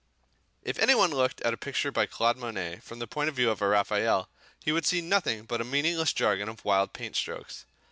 If anybody looks at a picture by Claude Monet from the point of view of a Raphael, he will see nothing but a meaningless jargon of wild paint strokes.